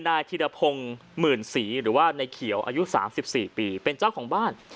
ธิรพงศ์หมื่นศรีหรือว่าในเขียวอายุ๓๔ปีเป็นเจ้าของบ้าน